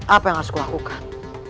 apa yang harus kulakukan